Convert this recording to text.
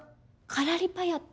カラリパヤット。